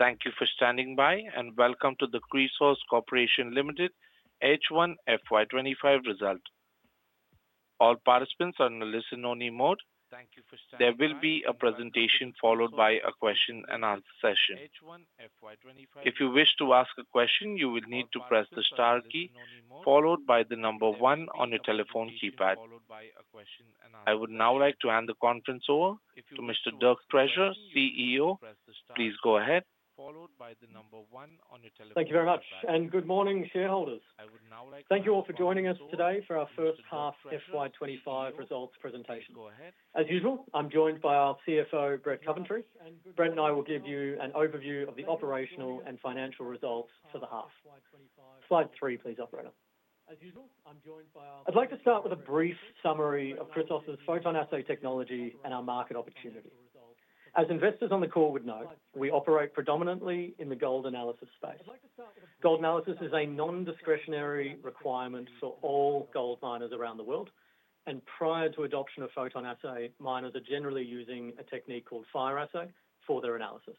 Thank you for standing by, and welcome to the Chrysos Corporation Limited H1 FY25 result. All participants are in a listen-only mode. There will be a presentation followed by a question-and-answer session. If you wish to ask a question, you will need to press the star key, followed by the number one on your telephone keypad. I would now like to hand the conference over to Mr. Dirk Treasure, CEO. Please go ahead. Thank you very much, and good morning, shareholders. Thank you all for joining us today for our first half FY25 results presentation. As usual, I'm joined by our CFO, Brett Coventry. Brett and I will give you an overview of the operational and financial results for the half. Slide three, please, operator. I'd like to start with a brief summary of Chrysos' PhotonAssay technology and our market opportunity. As investors on the call would know, we operate predominantly in the gold analysis space. Gold analysis is a non-discretionary requirement for all gold miners around the world, and prior to adoption of PhotonAssay, miners are generally using a technique called fire assay for their analysis.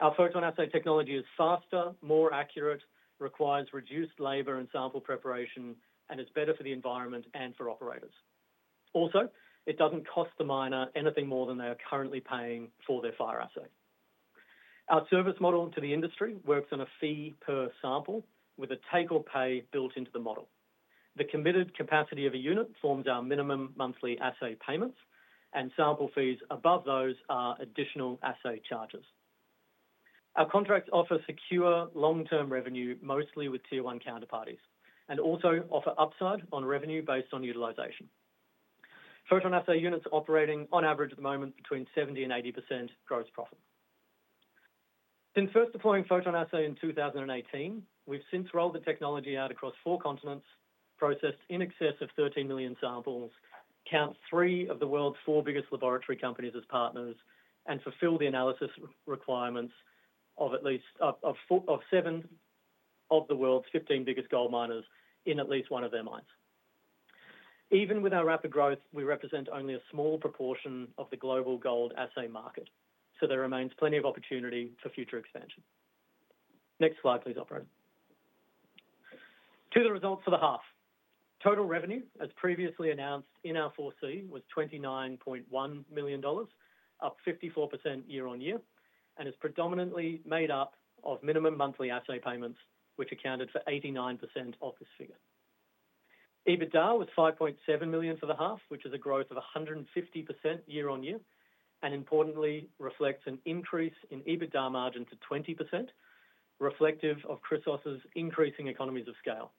Our PhotonAssay technology is faster, more accurate, requires reduced labor and sample preparation, and is better for the environment and for operators. Also, it doesn't cost the miner anything more than they are currently paying for their fire assay. Our service model to the industry works on a fee per sample, with a take-or-pay built into the model. The committed capacity of a unit forms our minimum monthly assay payments, and sample fees above those are additional assay charges. Our contracts offer secure long-term revenue, mostly with tier-one counterparties, and also offer upside on revenue based on utilization. PhotonAssay units are operating, on average, at the moment between 70% and 80% gross profit. Since first deploying PhotonAssay in 2018, we've since rolled the technology out across four continents, processed in excess of 13 million samples, count three of the world's four biggest laboratory companies as partners, and fulfilled the analysis requirements of seven of the world's 15 biggest gold miners in at least one of their mines. Even with our rapid growth, we represent only a small proportion of the global gold assay market, so there remains plenty of opportunity for future expansion. Next slide, please, operator. To the results for the half. Total revenue, as previously announced in our 4C, was 29.1 million dollars, up 54% year-on-year, and is predominantly made up of minimum monthly assay payments, which accounted for 89% of this figure. EBITDA was 5.7 million for the half, which is a growth of 150% year-on-year, and importantly, reflects an increase in EBITDA margin to 20%, reflective of Chrysos' increasing economies of scale.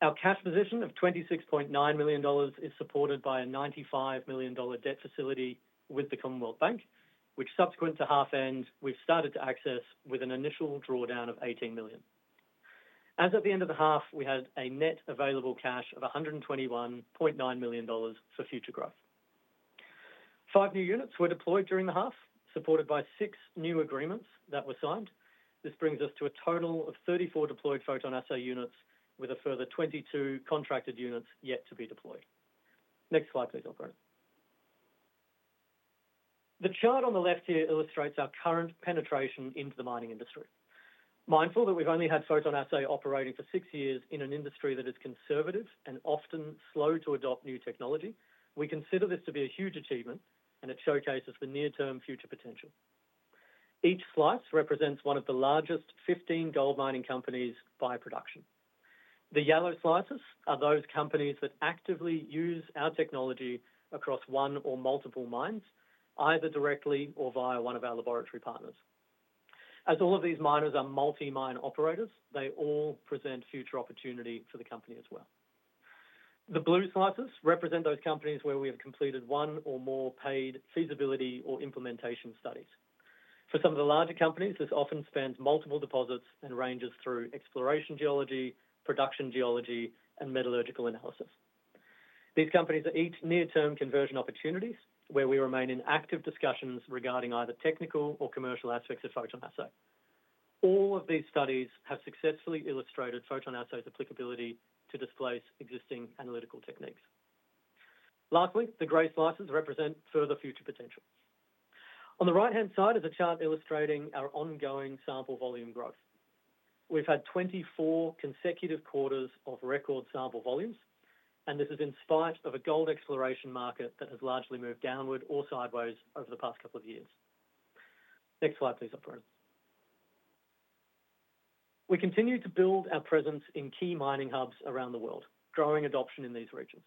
Our cash position of 26.9 million dollars is supported by a 95 million dollar debt facility with the Commonwealth Bank, which, subsequent to half-end, we've started to access with an initial drawdown of 18 million. As of the end of the half, we had a net available cash of 121.9 million dollars for future growth. 5 new units were deployed during the half, supported by 6 new agreements that were signed. This brings us to a total of 34 deployed PhotonAssay units, with a further 22 contracted units yet to be deployed. Next slide, please, operator. The chart on the left here illustrates our current penetration into the mining industry. Mindful that we've only had PhotonAssay operating for 6 years in an industry that is conservative and often slow to adopt new technology, we consider this to be a huge achievement, and it showcases the near-term future potential. Each slice represents one of the largest 15 gold mining companies by production. The yellow slices are those companies that actively use our technology across one or multiple mines, either directly or via one of our laboratory partners. As all of these miners are multi-mine operators, they all present future opportunity for the company as well. The blue slices represent those companies where we have completed one or more paid feasibility or implementation studies. For some of the larger companies, this often spans multiple deposits and ranges through exploration geology, production geology, and metallurgical analysis. These companies are each near-term conversion opportunities, where we remain in active discussions regarding either technical or commercial aspects of PhotonAssay. All of these studies have successfully illustrated PhotonAssay's applicability to displace existing analytical techniques. Lastly, the gray slices represent further future potential. On the right-hand side is a chart illustrating our ongoing sample volume growth. We've had 24 consecutive quarters of record sample volumes, and this is in spite of a gold exploration market that has largely moved downward or sideways over the past couple of years. Next slide, please, operator. We continue to build our presence in key mining hubs around the world, growing adoption in these regions.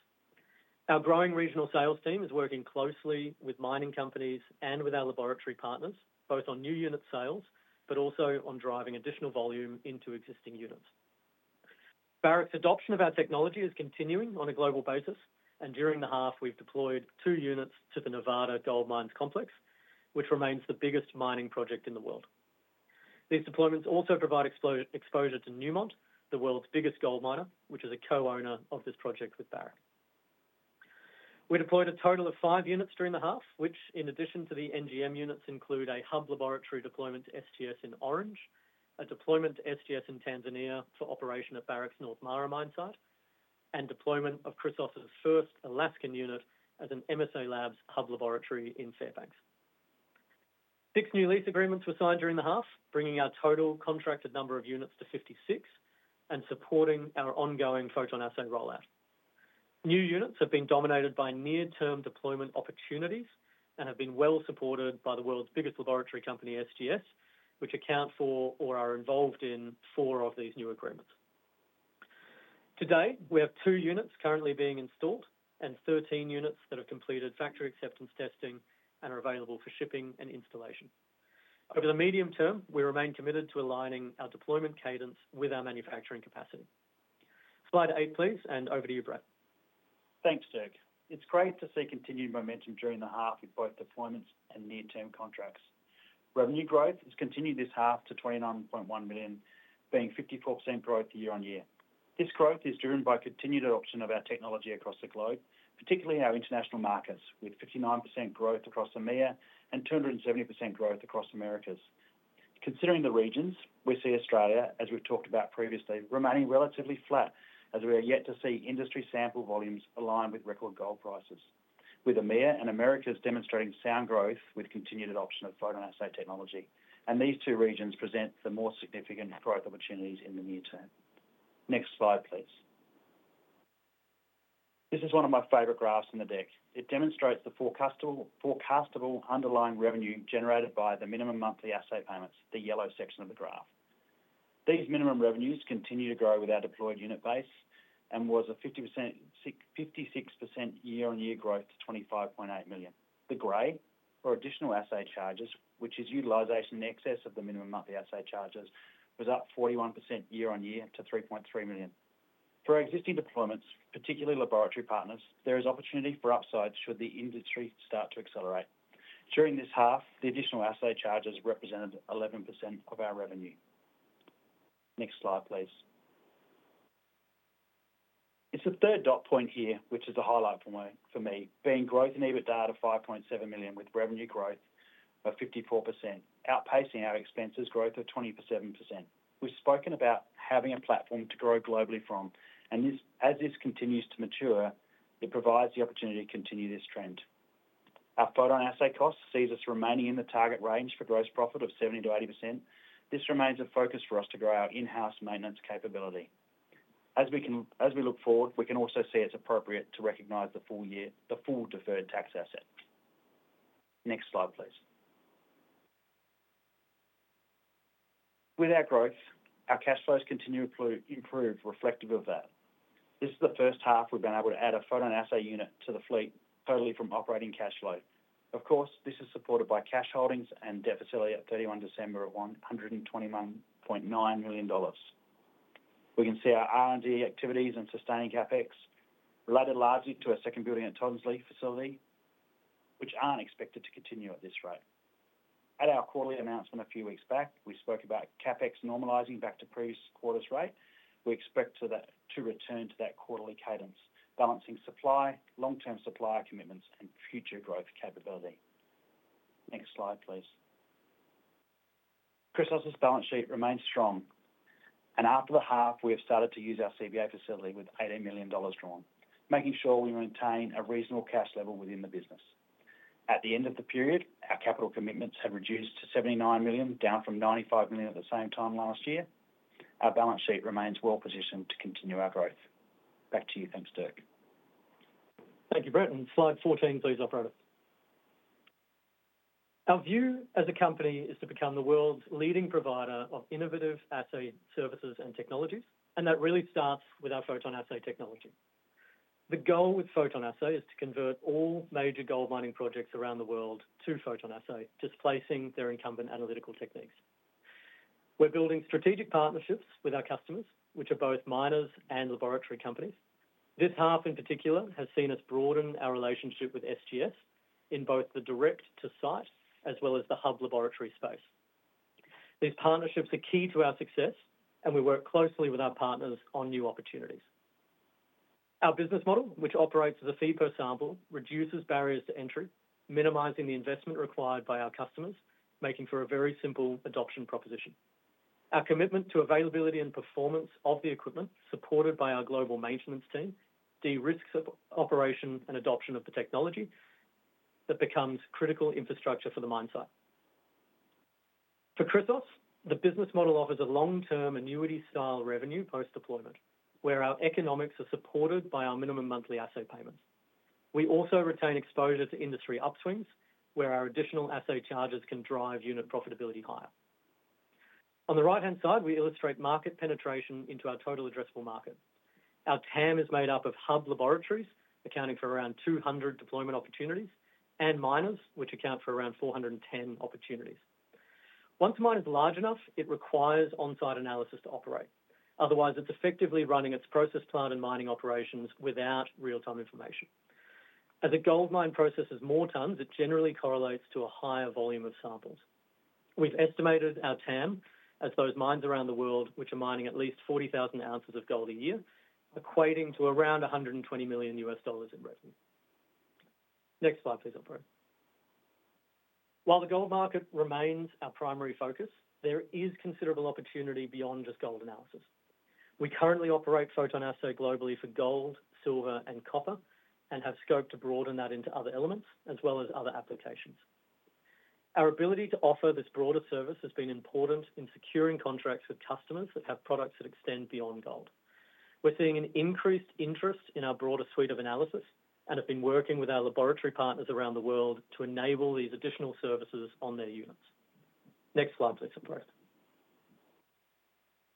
Our growing regional sales team is working closely with mining companies and with our laboratory partners, both on new unit sales but also on driving additional volume into existing units. Barrick's adoption of our technology is continuing on a global basis, and during the half, we've deployed two units to the Nevada Gold Mines Complex, which remains the biggest mining project in the world. These deployments also provide exposure to Newmont, the world's biggest gold miner, which is a co-owner of this project with Barrick. We deployed a total of five units during the half, which, in addition to the NGM units, include a hub laboratory deployment to SGS in Orange, a deployment to SGS in Tanzania for operation at Barrick's North Mara mine site, and deployment of Chrysos' first Alaskan unit as an MSA Labs hub laboratory in Fairbanks. Six new lease agreements were signed during the half, bringing our total contracted number of units to 56 and supporting our ongoing PhotonAssay rollout. New units have been dominated by near-term deployment opportunities and have been well supported by the world's biggest laboratory company, SGS, which accounts for or is involved in four of these new agreements. Today, we have two units currently being installed and 13 units that have completed factory acceptance testing and are available for shipping and installation. Over the medium term, we remain committed to aligning our deployment cadence with our manufacturing capacity. Slide eight, please, and over to you, Brett. Thanks, Dirk. It's great to see continued momentum during the half with both deployments and near-term contracts. Revenue growth has continued this half to 29.1 million, being 54% growth year-on-year. This growth is driven by continued adoption of our technology across the globe, particularly our international markets, with 59% growth across EMEA and 270% growth across the Americas. Considering the regions, we see Australia, as we've talked about previously, remaining relatively flat as we are yet to see industry sample volumes align with record gold prices, with EMEA and Americas demonstrating sound growth with continued adoption of PhotonAssay technology, and these two regions present the more significant growth opportunities in the near term. Next slide, please. This is one of my favorite graphs in the deck. It demonstrates the forecastable underlying revenue generated by the minimum monthly assay payments, the yellow section of the graph. These minimum revenues continue to grow with our deployed unit base and was a 56% year-on-year growth to 25.8 million. The gray, for additional assay charges, which is utilization in excess of the minimum monthly assay charges, was up 41% year-on-year to 3.3 million. For existing deployments, particularly laboratory partners, there is opportunity for upside should the industry start to accelerate. During this half, the additional assay charges represented 11% of our revenue. Next slide, please. It's the third dot point here, which is a highlight for me, being growth in EBITDA to 5.7 million with revenue growth of 54%, outpacing our expenses growth of 27%. We've spoken about having a platform to grow globally from, and as this continues to mature, it provides the opportunity to continue this trend. Our PhotonAssay costs see us remaining in the target range for gross profit of 70%-80%. This remains a focus for us to grow our in-house maintenance capability. As we look forward, we can also see it's appropriate to recognize the full deferred tax asset. Next slide, please. With our growth, our cash flows continue to improve, reflective of that. This is the first half we've been able to add a PhotonAssay unit to the fleet totally from operating cash flow. Of course, this is supported by cash holdings and debt facility at $31.1-$21.9 million. We can see our R&D activities and sustaining CapEx related largely to our second building at Tonsley facility, which aren't expected to continue at this rate. At our quarterly announcement a few weeks back, we spoke about CapEx normalizing back to previous quarter's rate. We expect to return to that quarterly cadence, balancing supply, long-term supply commitments, and future growth capability. Next slide, please. Chrysos' balance sheet remains strong, and after the half, we have started to use our CBA facility with 18 million dollars drawn, making sure we maintain a reasonable cash level within the business. At the end of the period, our capital commitments have reduced to 79 million, down from 95 million at the same time last year. Our balance sheet remains well positioned to continue our growth. Back to you. Thanks, Dirk. Thank you, Brett. And slide 14, please, operator. Our view as a company is to become the world's leading provider of innovative assay services and technologies, and that really starts with our PhotonAssay technology. The goal with PhotonAssay is to convert all major gold mining projects around the world to PhotonAssay, displacing their incumbent analytical techniques. We're building strategic partnerships with our customers, which are both miners and laboratory companies. This half, in particular, has seen us broaden our relationship with SGS in both the direct-to-site as well as the hub laboratory space. These partnerships are key to our success, and we work closely with our partners on new opportunities. Our business model, which operates as a fee per sample, reduces barriers to entry, minimizing the investment required by our customers, making for a very simple adoption proposition. Our commitment to availability and performance of the equipment, supported by our global maintenance team, de-risk operation and adoption of the technology that becomes critical infrastructure for the mine site. For Chrysos, the business model offers a long-term annuity-style revenue post-deployment, where our economics are supported by our minimum monthly assay payments. We also retain exposure to industry upswings, where our additional assay charges can drive unit profitability higher. On the right-hand side, we illustrate market penetration into our total addressable market. Our TAM is made up of hub laboratories, accounting for around 200 deployment opportunities, and miners, which account for around 410 opportunities. Once a mine is large enough, it requires on-site analysis to operate. Otherwise, it's effectively running its process plant and mining operations without real-time information. As a gold mine processes more tons, it generally correlates to a higher volume of samples. We've estimated our TAM as those mines around the world which are mining at least 40,000 ounces of gold a year, equating to around AUD 120 million in revenue. Next slide, please, operator. While the gold market remains our primary focus, there is considerable opportunity beyond just gold analysis. We currently operate PhotonAssay globally for gold, silver, and copper, and have scoped to broaden that into other elements as well as other applications. Our ability to offer this broader service has been important in securing contracts with customers that have products that extend beyond gold. We're seeing an increased interest in our broader suite of analysis and have been working with our laboratory partners around the world to enable these additional services on their units. Next slide, please, operator.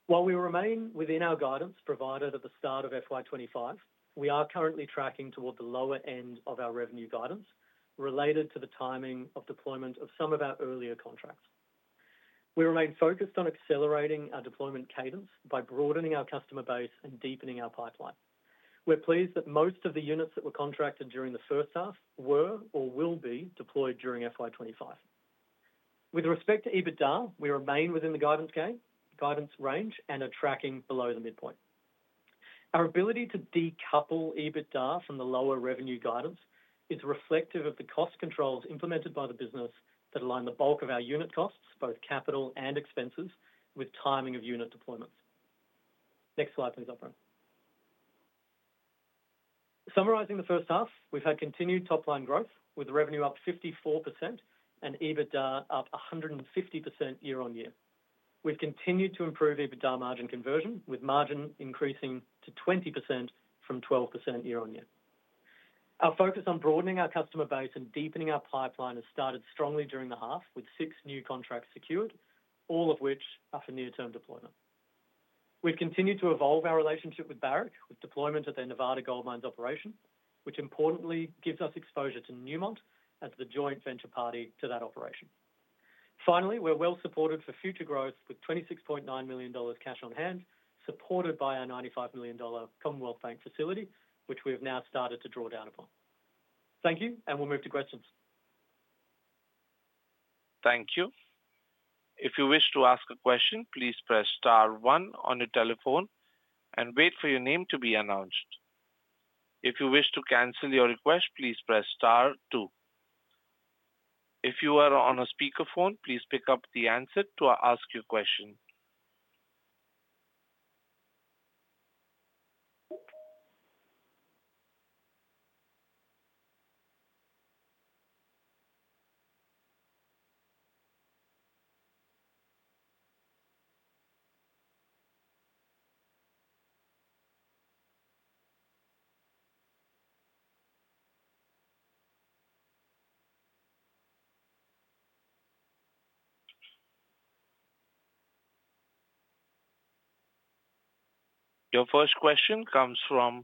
While we remain within our guidance provided at the start of FY25, we are currently tracking toward the lower end of our revenue guidance related to the timing of deployment of some of our earlier contracts. We remain focused on accelerating our deployment cadence by broadening our customer base and deepening our pipeline. We're pleased that most of the units that were contracted during the first half were or will be deployed during FY25. With respect to EBITDA, we remain within the guidance range and are tracking below the midpoint. Our ability to decouple EBITDA from the lower revenue guidance is reflective of the cost controls implemented by the business that align the bulk of our unit costs, both capital and expenses, with timing of unit deployments. Next slide, please, operator. Summarizing the first half, we've had continued top-line growth, with revenue up 54% and EBITDA up 150% year-on-year. We've continued to improve EBITDA margin conversion, with margin increasing to 20% from 12% year-on-year. Our focus on broadening our customer base and deepening our pipeline has started strongly during the half, with six new contracts secured, all of which are for near-term deployment. We've continued to evolve our relationship with Barrick with deployment at their Nevada Gold Mines operation, which importantly gives us exposure to Newmont as the joint venture party to that operation. Finally, we're well supported for future growth with 26.9 million dollars cash on hand, supported by our 95 million dollar Commonwealth Bank facility, which we have now started to draw down upon. Thank you, and we'll move to questions. Thank you. If you wish to ask a question, please press star one on your telephone and wait for your name to be announced. If you wish to cancel your request, please press star two. If you are on a speakerphone, please pick up the handset to ask your question. Your first question comes from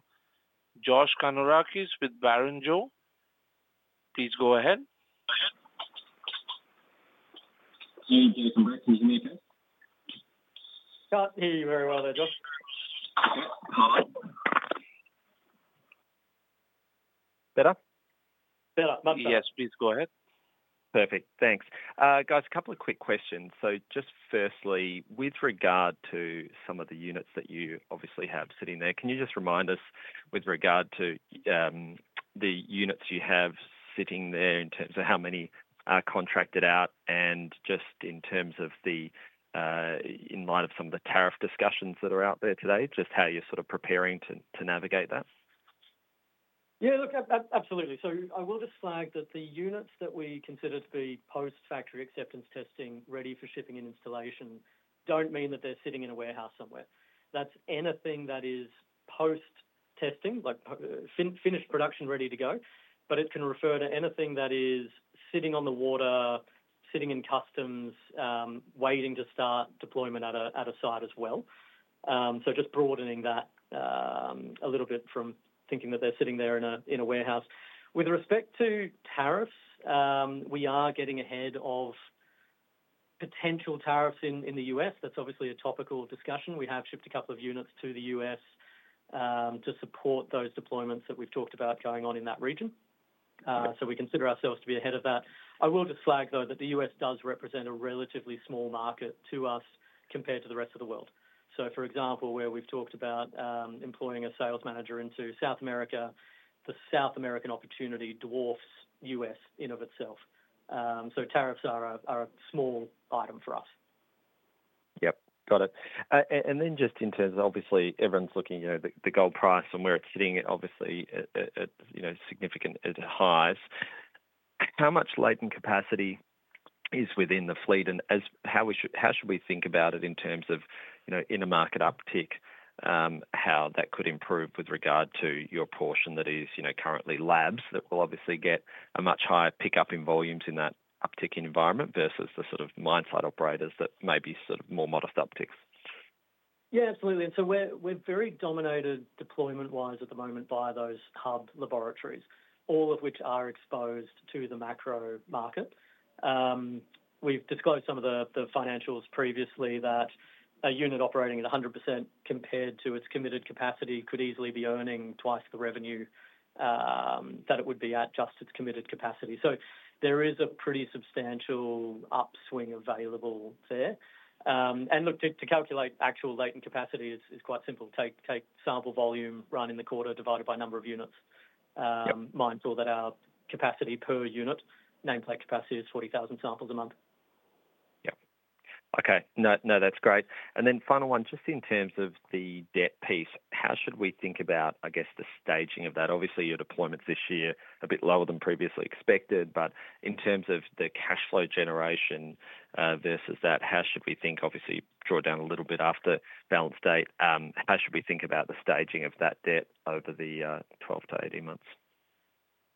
Josh Kannourakis with Barrenjoey. Please go ahead. Hey, Dirk. I'm back from the U.K. Can't hear you very well there, Josh. Better? Better. Yes, please go ahead. Perfect. Thanks. Guys, a couple of quick questions. So just firstly, with regard to some of the units that you obviously have sitting there, can you just remind us with regard to the units you have sitting there in terms of how many are contracted out and just in terms of the, in light of some of the tariff discussions that are out there today, just how you're sort of preparing to navigate that? Yeah, look, absolutely. So I will just flag that the units that we consider to be post-factory acceptance testing, ready for shipping and installation, don't mean that they're sitting in a warehouse somewhere. That's anything that is post-testing, like finished production, ready to go, but it can refer to anything that is sitting on the water, sitting in customs, waiting to start deployment at a site as well. So just broadening that a little bit from thinking that they're sitting there in a warehouse. With respect to tariffs, we are getting ahead of potential tariffs in the U.S. That's obviously a topical discussion. We have shipped a couple of units to the U.S. to support those deployments that we've talked about going on in that region. So we consider ourselves to be ahead of that. I will just flag, though, that the U.S. does represent a relatively small market to us compared to the rest of the world. So, for example, where we've talked about employing a sales manager into South America, the South American opportunity dwarfs U.S. in and of itself. So tariffs are a small item for us. Yep. Got it. And then just in terms of, obviously, everyone's looking at the gold price and where it's sitting, obviously, at significant highs. How much latent capacity is within the fleet? And how should we think about it in terms of, in a market uptick, how that could improve with regard to your portion that is currently labs that will obviously get a much higher pickup in volumes in that uptick environment versus the sort of mine site operators that may be sort of more modest upticks? Yeah, absolutely. And so we're very dominated deployment-wise at the moment by those hub laboratories, all of which are exposed to the macro market. We've disclosed some of the financials previously that a unit operating at 100% compared to its committed capacity could easily be earning twice the revenue that it would be at just its committed capacity. So there is a pretty substantial upswing available there. And look, to calculate actual latent capacity is quite simple. Take sample volume run in the quarter divided by number of units. Mindful that our capacity per unit, nameplate capacity, is 40,000 samples a month. Yep. Okay. No, that's great. Then final one, just in terms of the debt piece, how should we think about, I guess, the staging of that? Obviously, your deployment this year is a bit lower than previously expected, but in terms of the cash flow generation versus that, how should we think, obviously, draw down a little bit after balance date? How should we think about the staging of that debt over the 12-18 months?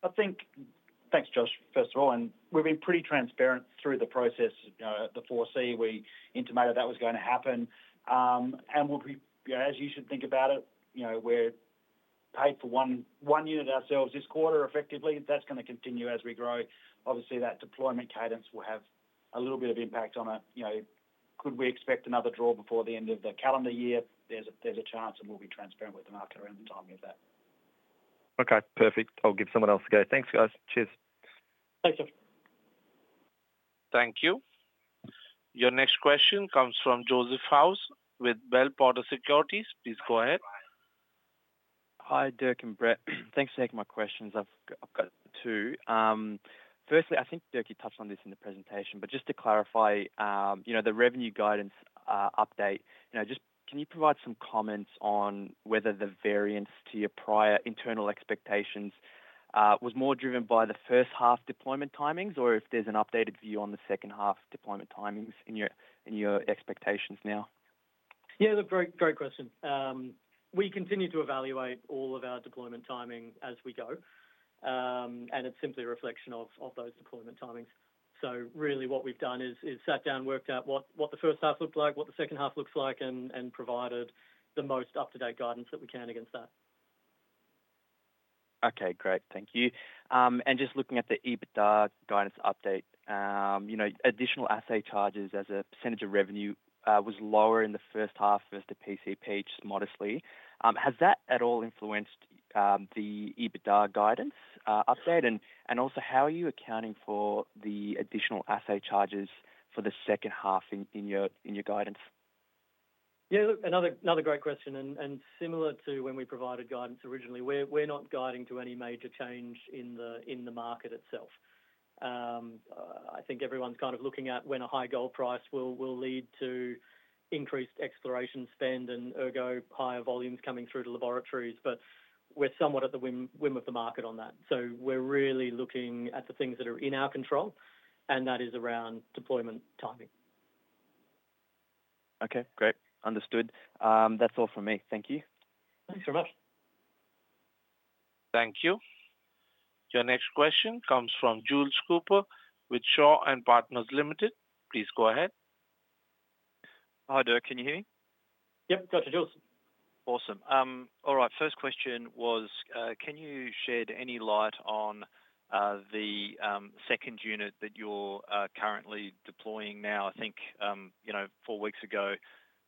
I think, thanks, Josh, first of all. And we've been pretty transparent through the process at the 4C. We intimated that was going to happen. And as you should think about it, we're paid for one unit ourselves this quarter, effectively. That's going to continue as we grow. Obviously, that deployment cadence will have a little bit of impact on it. Could we expect another draw before the end of the calendar year? There's a chance, and we'll be transparent with the market around the timing of that. Okay. Perfect. I'll give someone else a go. Thanks, guys. Cheers. Thanks, Dirk. Thank you. Your next question comes from Joseph House with Bell Potter Securities. Please go ahead. Hi, Dirk and Brett. Thanks for taking my questions. I've got two. Firstly, I think Dirk, you touched on this in the presentation, but just to clarify, the revenue guidance update, just can you provide some comments on whether the variance to your prior internal expectations was more driven by the first half deployment timings or if there's an updated view on the second half deployment timings in your expectations now? Yeah, look, great question. We continue to evaluate all of our deployment timing as we go, and it's simply a reflection of those deployment timings. So really what we've done is sat down, worked out what the first half looked like, what the second half looks like, and provided the most up-to-date guidance that we can against that. Okay. Great. Thank you. And just looking at the EBITDA guidance update, additional assay charges as a percentage of revenue was lower in the first half versus the PCP just modestly. Has that at all influenced the EBITDA guidance update? And also, how are you accounting for the additional assay charges for the second half in your guidance? Yeah, look, another great question, and similar to when we provided guidance originally, we're not guiding to any major change in the market itself. I think everyone's kind of looking at when a high gold price will lead to increased exploration spend and ergo, higher volumes coming through to laboratories, but we're somewhat at the whim of the market on that, so we're really looking at the things that are in our control, and that is around deployment timing. Okay. Great. Understood. That's all from me. Thank you. Thanks very much. Thank you. Your next question comes from Jules Cooper with Shaw & Partners Limited. Please go ahead. Hi, Dirk. Can you hear me? Yep. Got you, Jules. Awesome. All right. First question was, can you shed any light on the second unit that you're currently deploying now? I think four weeks ago,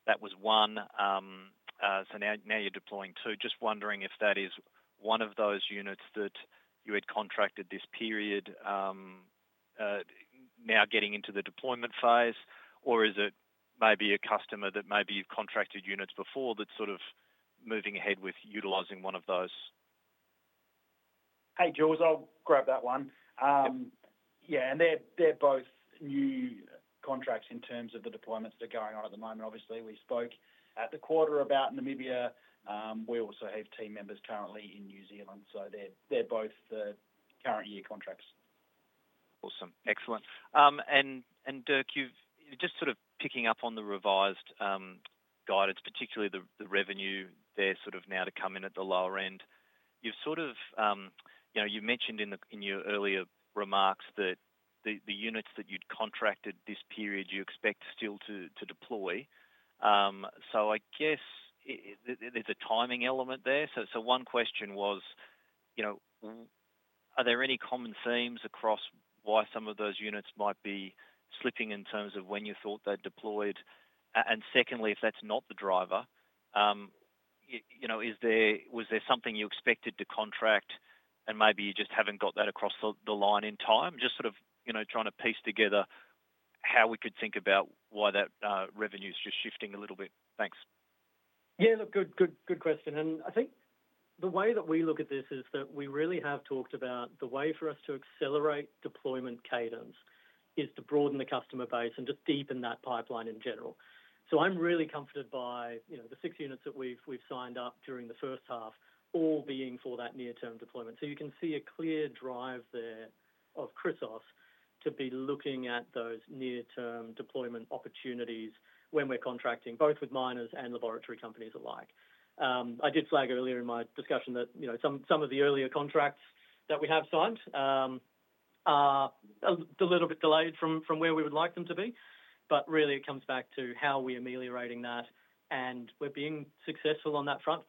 that was one. So now you're deploying two. Just wondering if that is one of those units that you had contracted this period, now getting into the deployment phase, or is it maybe a customer that maybe you've contracted units before that's sort of moving ahead with utilizing one of those? Hey, Jules, I'll grab that one. Yeah, and they're both new contracts in terms of the deployments that are going on at the moment. Obviously, we spoke at the quarter about Namibia. We also have team members currently in New Zealand, so they're both current year contracts. Awesome. Excellent. And Dirk, just sort of picking up on the revised guidance, particularly the revenue there sort of now to come in at the lower end, you've sort of mentioned in your earlier remarks that the units that you'd contracted this period, you expect still to deploy. So I guess there's a timing element there. So one question was, are there any common themes across why some of those units might be slipping in terms of when you thought they'd deployed? And secondly, if that's not the driver, was there something you expected to contract and maybe you just haven't got that across the line in time? Just sort of trying to piece together how we could think about why that revenue's just shifting a little bit. Thanks. Yeah, look, good question, and I think the way that we look at this is that we really have talked about the way for us to accelerate deployment cadence is to broaden the customer base and just deepen that pipeline in general, so I'm really comforted by the six units that we've signed up during the first half all being for that near-term deployment, so you can see a clear drive there of Chrysos to be looking at those near-term deployment opportunities when we're contracting both with miners and laboratory companies alike. I did flag earlier in my discussion that some of the earlier contracts that we have signed are a little bit delayed from where we would like them to be, but really it comes back to how we're ameliorating that and we're being successful on that front.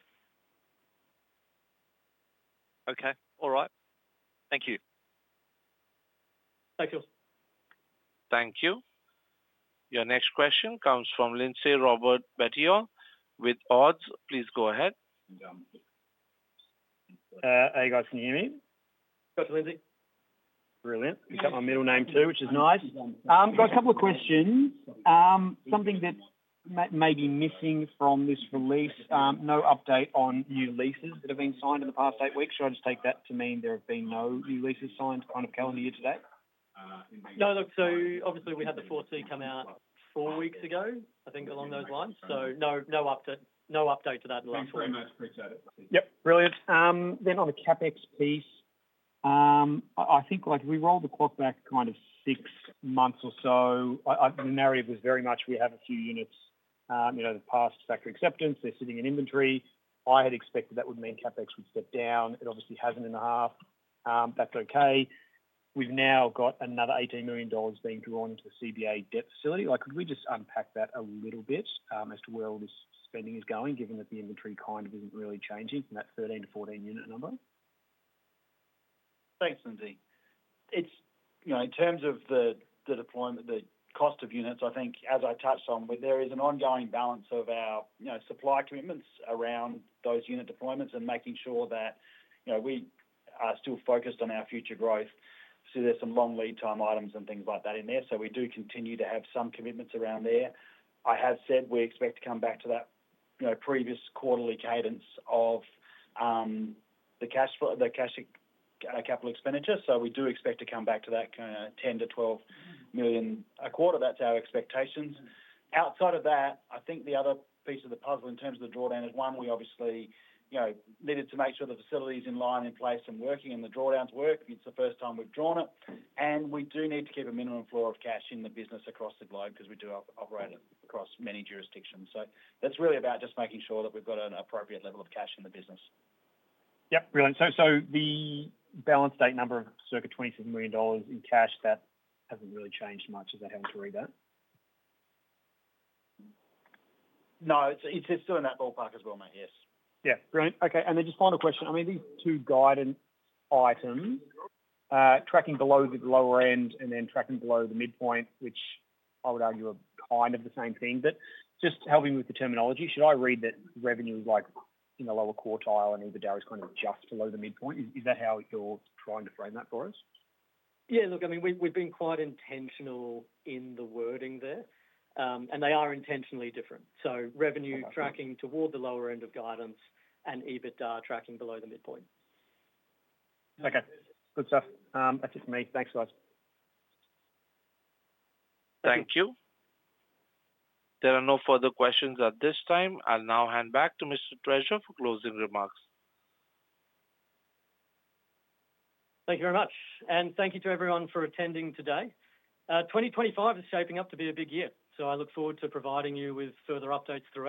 Okay. All right. Thank you. Thanks, Jules. Thank you. Your next question comes from Lindsay Ridley with Ord Minnett. Please go ahead. Hey, guys. Can you hear me? Got you, Lindsay. Brilliant. You've got my middle name too, which is nice. Got a couple of questions. Something that may be missing from this release, no update on new leases that have been signed in the past eight weeks. Shall I just take that to mean there have been no new leases signed to kind of calendar year today? No, look, so obviously we had the 4C come out four weeks ago, I think, along those lines. So no update to that in the last four weeks. Thank you very much. Appreciate it. Yep. Brilliant. Then on the CapEx piece, I think we rolled the clock back kind of six months or so. The narrative was very much we have a few units that passed factory acceptance. They're sitting in inventory. I had expected that would mean CapEx would step down. It obviously hasn't in the half. That's okay. We've now got another AUD 18 million being drawn into the CBA debt facility. Could we just unpack that a little bit as to where all this spending is going, given that the inventory kind of isn't really changing from that 13 to 14 unit number? Thanks, Lindsay. In terms of the cost of units, I think, as I touched on, there is an ongoing balance of our supply commitments around those unit deployments and making sure that we are still focused on our future growth. There are some long lead time items and things like that in there. We do continue to have some commitments around there. I have said we expect to come back to that previous quarterly cadence of the cash capital expenditure. We do expect to come back to that kind of 10 million-12 million a quarter. That's our expectations. Outside of that, I think the other piece of the puzzle in terms of the drawdown is one, we obviously needed to make sure the facility is in place and working, and the drawdowns work. It's the first time we've drawn it. We do need to keep a minimum floor of cash in the business across the globe because we do operate across many jurisdictions. That's really about just making sure that we've got an appropriate level of cash in the business. Yep. Brilliant. So the balance date number of circa 27 million dollars in cash, that hasn't really changed much as I haven't read that. No, it's still in that ballpark as well, mate. Yes. Yeah. Brilliant. Okay, and then just final question. I mean, these two guidance items, tracking below the lower end and then tracking below the midpoint, which I would argue are kind of the same thing, but just helping with the terminology, should I read that revenue is in the lower quartile and EBITDA is kind of just below the midpoint? Is that how you're trying to frame that for us? Yeah. Look, I mean, we've been quite intentional in the wording there, and they are intentionally different. So revenue tracking toward the lower end of guidance and EBITDA tracking below the midpoint. Okay. Good stuff. That's it for me. Thanks, guys. Thank you. There are no further questions at this time. I'll now hand back to Mr. Treasure for closing remarks. Thank you very much and thank you to everyone for attending today. 2025 is shaping up to be a big year, so I look forward to providing you with further updates throughout.